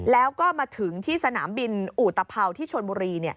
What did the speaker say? แล้วก็มาถึงที่สนามบินอุตภัวที่ชนบุรี